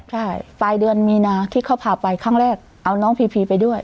ใช่ปลายเดือนมีนาที่เขาพาไปครั้งแรกเอาน้องพีพีไปด้วย